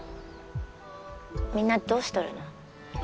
みんなどうしとるの？